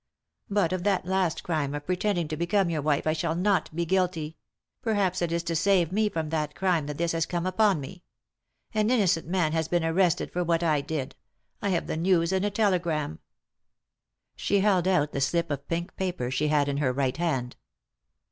But of that last crime of pretending to become your wife I shall not be guilty ; perhaps it is to save me from that crime that this has come upon me. An innocent man has been arrested for what I did ; I have the news in a telegram." She held out the slip of pink paper she had in her right hand.